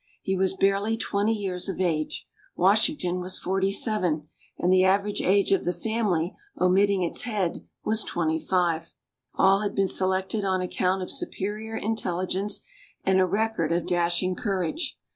He was barely twenty years of age; Washington was forty seven, and the average age of the family, omitting its head, was twenty five. All had been selected on account of superior intelligence and a record of dashing courage.